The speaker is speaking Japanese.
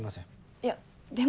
いやでも。